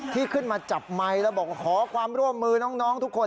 ที่ขึ้นมาจับไมค์แล้วบอกขอความร่วมมือน้องทุกคน